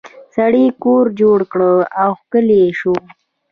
سړي کور جوړ کړ او ښکلی شو.